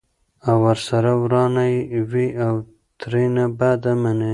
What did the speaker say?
او ورسره ورانه یې وي او ترېنه بده مني!